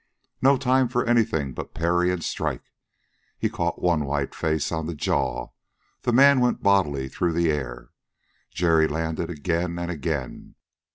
No time for anything but parry and strike. He caught one white face on the jaw; the man went bodily through the air. Jerry landed again and again.